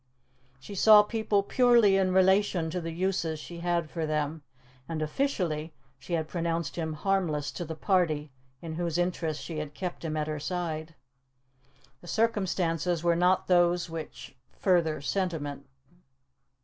She saw people purely in relation to the uses she had for them, and, officially, she had pronounced him harmless to the party in whose interests she had kept him at her side. The circumstances were not those which further sentiment.